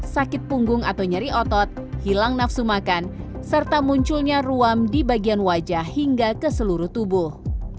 sakit punggung atau nyeri otot hilang nafsu makan serta munculnya ruam di bagian wajah hingga ke seluruh tubuh